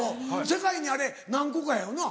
世界にあれ何個かやよな。